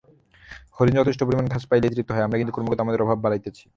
হরিণ যথেষ্ট পরিমাণে ঘাস পাইলেই তৃপ্ত হয়, আমরা কিন্তু ক্রমাগত আমাদের অভাব বাড়াইতেছি।